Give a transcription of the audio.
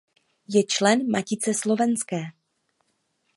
Je člen Matice slovenské.